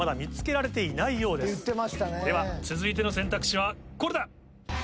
では続いての選択肢はこれだ。